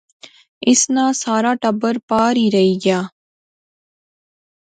اس ناں سار ٹبر پار ہی رہی گیا